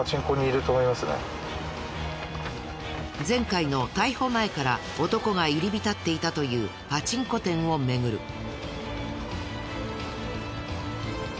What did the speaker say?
前回の逮捕前から男が入り浸っていたというパチンコ店を巡る。